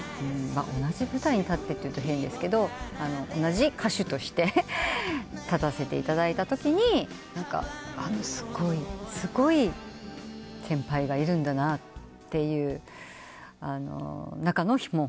同じ舞台に立ってというと変ですけど同じ歌手として立たせていただいたときにすごい先輩がいるんだなという中の一人ですね。